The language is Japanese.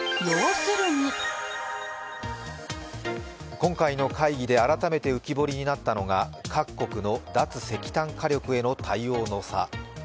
今回の会議で改めて浮き彫りになったのが各国の脱石炭火力への対応の差。